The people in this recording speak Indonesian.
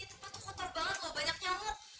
ini tempat tuh kotor banget loh banyak nyamuk